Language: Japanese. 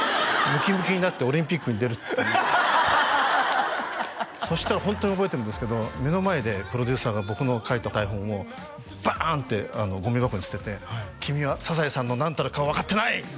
ムキムキになってオリンピックに出るっていうそしたらホントに覚えてるんですけど目の前でプロデューサーが僕の書いた台本をバーンってゴミ箱に捨てて君は「サザエさん」の何たるかを分かってない！